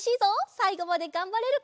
さいごまでがんばれるか？